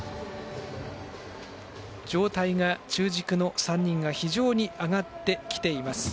状態が、中軸の３人が非常に上がってきています。